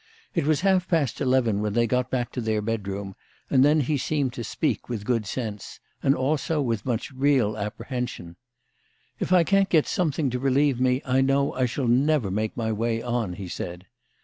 It was half past eleven when they got back to their bedroom, and then he seemed to speak with good sense, and also with much real apprehension. " If I can't get something to re lieve me I know I shall never make my way on," he said.